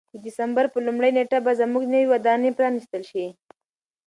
د دسمبر په لومړۍ نېټه به زموږ نوې ودانۍ پرانیستل شي.